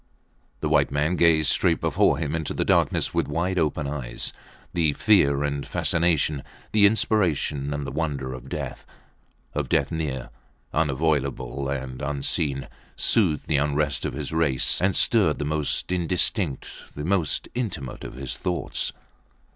The white man gazed straight before him into the darkness with wide open eyes. The fear and fascination, the inspiration and the wonder of death of death near, unavoidable, and unseen, soothed the unrest of his race and stirred the most indistinct, the most intimate of his thoughts.